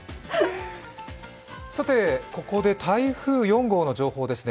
さてここで台風４号の情報です。